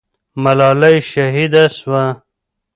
ملالۍ شهیده سوه.